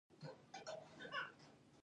د زابل په شهر صفا کې څه شی شته؟